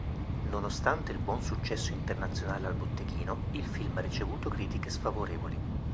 Nonostante il buon successo internazionale al botteghino, il film ha ricevuto critiche sfavorevoli.